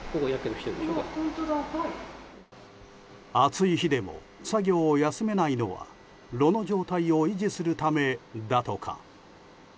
暑い日でも作業を休めないのは炉の状態を維持するためだとか。